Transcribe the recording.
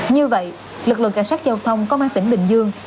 như vậy lực lượng cảnh sát giao thông công an tỉnh bình dương